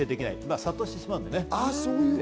殺到してしまうのでね。